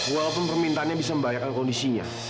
walaupun permintaannya bisa membahayakan kondisinya